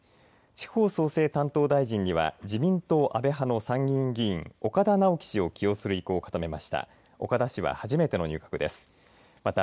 地方創生担当大臣には自民党安倍派の参議院議員、岡田直樹氏を起用する意向を固めました。